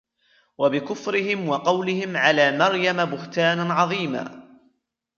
وبكفرهم وقولهم على مريم بهتانا عظيما